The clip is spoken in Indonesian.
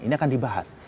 ini akan dibahas